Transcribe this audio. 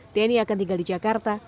tni akan tinggal di jakarta